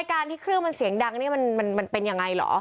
การที่เครื่องมันเสียงดังนี่มันเป็นยังไงเหรอ